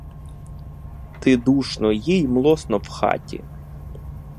Ти душно, їй млосно в хаті.